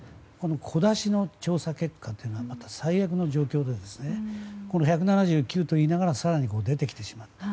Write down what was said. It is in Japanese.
小出しの調査結果というのはまた最悪な状況で１７９といいながら更に出てきてしまった。